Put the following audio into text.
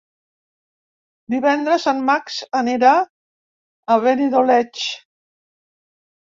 Divendres en Max anirà a Benidoleig.